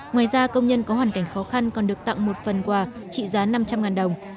ngoài ra công nhân có hoàn cảnh khó khăn còn được tặng một phần quà trị giá năm trăm linh đồng